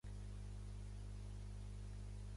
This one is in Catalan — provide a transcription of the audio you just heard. Va marxar llavors a Getxo, al camp, per aïllar-se més.